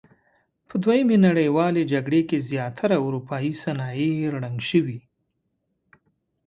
په دویمې نړیوالې جګړې کې زیاتره اورپایي صنایع رنګ شوي.